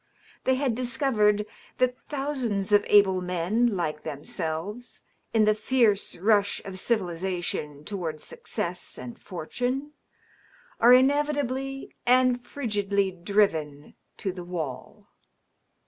They had discovered that thousands of able men like themselves, in the fierce rush of civilization ^ toward success and fortune, are inevitably and frigidly driven to the wall.